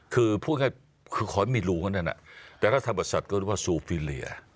คือพูดง่ายคือขอให้มีรู้กันเนี่ยนะแต่ถ้าทำกับสัตว์ก็นึกว่าซูฟิลเลีย